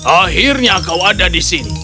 akhirnya kau ada di sini